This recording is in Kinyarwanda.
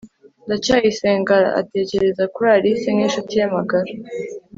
ndacyayisenga atekereza kuri alice nk'inshuti ye magara